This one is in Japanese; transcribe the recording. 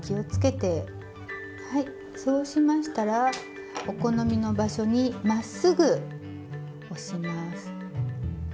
はいそうしましたらお好みの場所にまっすぐ押します。